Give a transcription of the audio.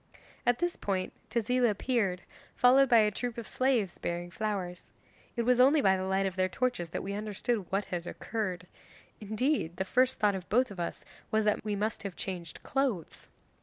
'At this point Tezila appeared, followed by a troop of slaves bearing flowers. It was only by the light of their torches that we understood what had occurred. Indeed the first thought of both of us was that we must have changed clothes.